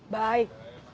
baik terima kasih